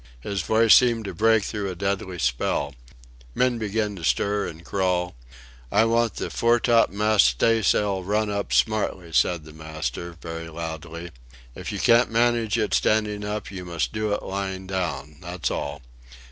His voice seemed to break through a deadly spell. Men began to stir and crawl. "I want the fore topmast staysail run up smartly," said the master, very loudly; "if you can't manage it standing up you must do it lying down that's all.